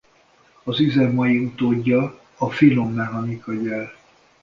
Az üzem mai utódja a finommechanikai gyár.